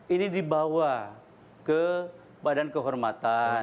ini dibawa ke badan kehormatan